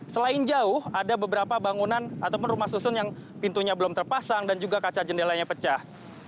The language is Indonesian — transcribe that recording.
selain jauh ada beberapa bangunan ataupun rumah susun yang pintunya belum terpasang dan juga kaca jendelanya pecah